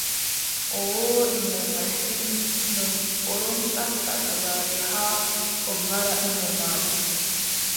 O wooɗi mo masin, non, o ɗon taska dabare haa o mbara ɓiŋngel maako.